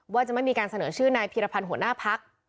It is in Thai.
ว่าจะไม่มีการเสนอชื่อนายพีรพันธ์หัวหน้าพัก